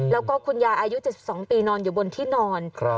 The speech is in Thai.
แล้วก็คุณยายอายุ๗๒ปีนอนอยู่บนที่นอน